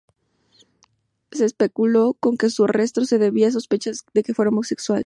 Se especuló con que su arresto se debiera a sospechas de que fuera homosexual.